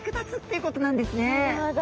なるほど！